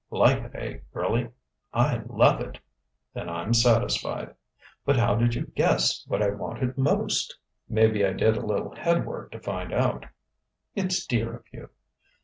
"Like it, eh, girlie?" "I love it!" "Then I'm satisfied." "But how did you guess what I wanted most?" "Maybe I did a little head work to find out." "It's dear of you!"